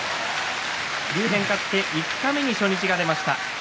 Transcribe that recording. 竜電勝って五日目に初日が出ました。